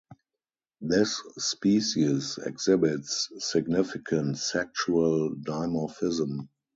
This species exhibits significant Sexual dimorphism.